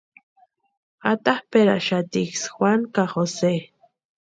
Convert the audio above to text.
Atapʼerhaxatiksï Juanu ka Jose.